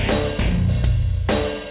kamu siap boy